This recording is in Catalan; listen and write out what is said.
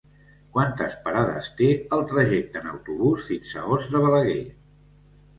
Quantes parades té el trajecte en autobús fins a Os de Balaguer?